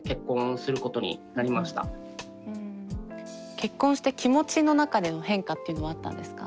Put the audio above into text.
結婚して気持ちの中での変化っていうのはあったんですか？